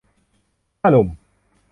ถ้าหนุ่ม